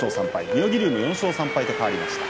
妙義龍は４勝３敗と変わりました。